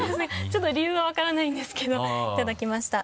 ちょっと理由は分からないんですけどいただきました。